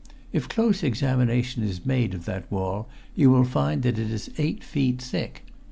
If close examination is made of that wall you will find that it is eight feet thick.